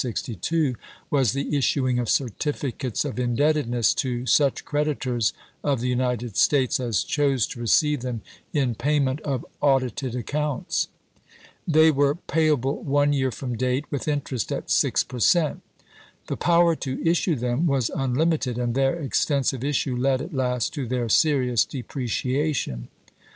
Another expedient, authorized by Congress on the 1st of March, 1862, was the issuing of certificates of indebtedness to such creditors of the United States as chose to re ceive them in payment of audited accounts. They were payable one year from date, with interest at six per cent. The power to issue them was unlim ited, and their extensive issue led at last to their serious depreciation.